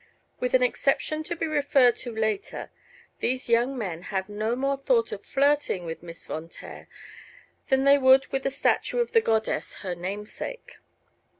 With an exception to be referred to later these young men have no more thought of "flirting" with Miss Von Taer than they would with the statue of the goddess, her namesake.